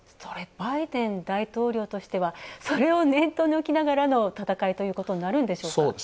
バイデン大統領としてはそれを念頭に置きながらの戦いということになるんでしょうか？